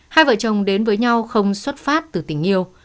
hai vợ chồng đến với nhau không xuất phát từ tình yêu